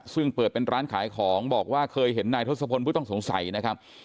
ซึ่งเปิดเป็นร้านขายของบอกว่าเคยเห็นนายทศพลผู้ต้องสงสัยนะครับ